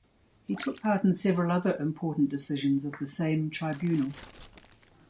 He took part in several other important decisions of the same tribunal.